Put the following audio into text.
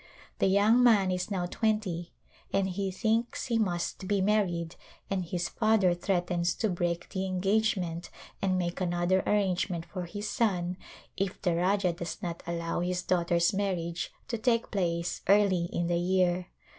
The young man is now twenty and he thinks he must be married and his father threatens to break the engagement and make another arrangement for his son if the Rajah does not allow his daughter's marriage to take place early in the year.